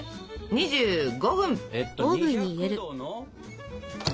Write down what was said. ２５分！